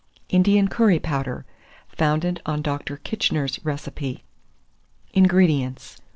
INDIAN CURRY POWDER, founded on Dr. Kitchener's Recipe. 449. INGREDIENTS.